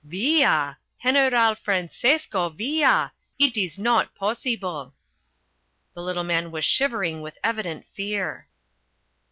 "Villa! General Francesco Villa! It is not possible!" The little man was shivering with evident fear.